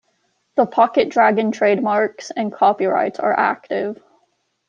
The Pocket Dragon trademarks and copyrights are active.